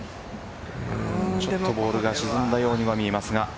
ちょっとボールが沈んだようには見えますが。